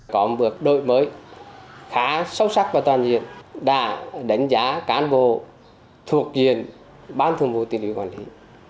có một bước đổi mới khá sâu sắc và toàn diện đã đánh giá cán bộ thuộc diện ban thường vụ tỉnh ủy quản lý